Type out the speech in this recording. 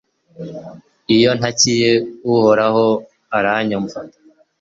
iyo ntakiye uhoraho, aranyumva